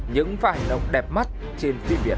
những vài nông đẹp mắt trên phim việt